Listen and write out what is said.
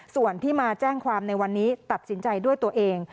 ส่วนที่มาแจ้งความในวันนี้ตัดสินใจด้วยตัวเอง